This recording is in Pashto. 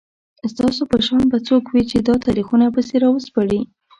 ستاسو په شان به څوک وي چي دا تاریخونه پسي راوسپړي